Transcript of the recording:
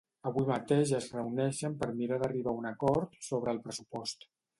Avui mateix es reuneixen per mirar d’arribar a un acord sobre el pressupost.